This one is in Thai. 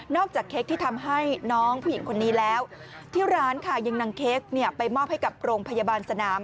จากเค้กที่ทำให้น้องผู้หญิงคนนี้แล้วที่ร้านค่ะยังนำเค้กไปมอบให้กับโรงพยาบาลสนาม